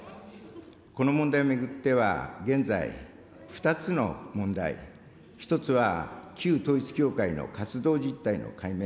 この問題を巡っては、現在、２つの問題、１つは旧統一教会の活動実態の解明。